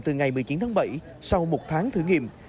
từ ngày một mươi chín tháng bảy sau một tháng thử nghiệm